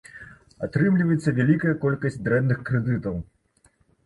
Атрымліваецца вялікая колькасць дрэнных крэдытаў.